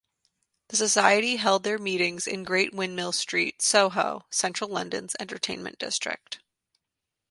The Society held their meetings in Great Windmill Street, Soho, central London's entertainment district.